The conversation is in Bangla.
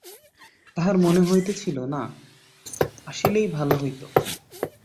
তাহার মনে হইতেছিল, না আসিলেই ভালো হইত।